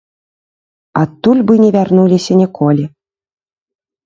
Адтуль бы не вярнуліся ніколі.